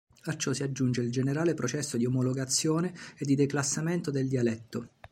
A ciò si aggiunse il generale processo di omologazione e di declassamento del dialetto.